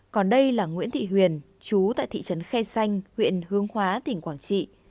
còn đây là nguyễn thị huyền chú tại thị trấn khe xanh huyện hương hóa tỉnh quảng trị